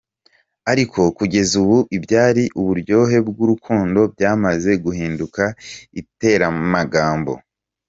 Ariko kugeza ubu ibyari uburyohe bw’urukundo byamaze guhinduka iteranamagambo.